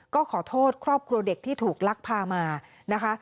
ก็ขอโทษครอบครัวเด็กที่ถูกลักพามานะคะ